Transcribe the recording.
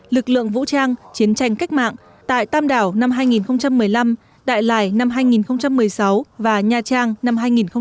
lực lượng vũ trang chiến tranh cách mạng tại tam đảo năm hai nghìn một mươi năm đại lải năm hai nghìn một mươi sáu và nha trang năm hai nghìn một mươi tám